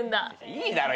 いいだろ